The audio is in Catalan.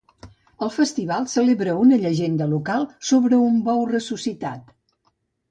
El festival celebra una llegenda local sobre un bou ressuscitat.